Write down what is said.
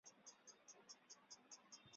鬼杀是将棋的一种奇袭战法。